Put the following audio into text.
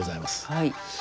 はい。